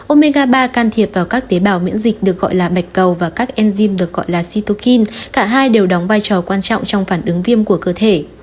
omega ba can thiệp vào các tế bào miễn dịch được gọi là bạch cầu và các enzyme được gọi là cytokine cả hai đều đóng vai trò quan trọng trong phản ứng viêm của cơ thể